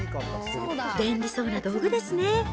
便利そうな道具ですね。